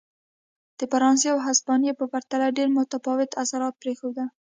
د فرانسې او هسپانیې په پرتله ډېر متفاوت اثرات پرېښودل.